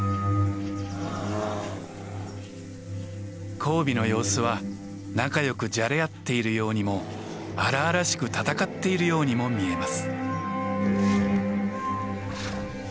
交尾の様子は仲よくじゃれ合っているようにも荒々しく戦っているようにも見えます。